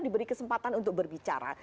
diberi kesempatan untuk berbicara